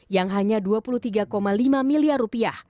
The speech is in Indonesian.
yang hanya rp dua puluh tiga lima miliar